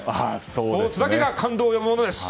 スポーツだけが感動を呼ぶものです！